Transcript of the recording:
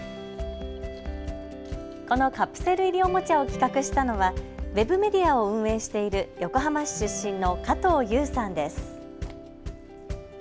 このカプセル入りおもちゃを企画したのはウェブメディアを運営している横浜市出身の加藤佑さんです。